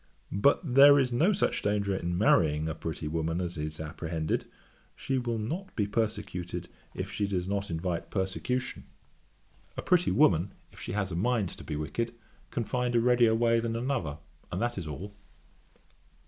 But there is no such danger in marrying a pretty woman as is apprehended: she will not be persecuted if she does not invite persecution. A pretty woman, if she has a mind to be wicked, can find a readier way than another; and that is all.'